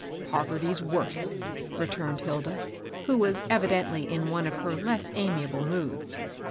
" Poverty's worse !" returned Hilda, who was evidently in one of her less amiable moods.